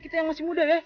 kita yang masih muda ya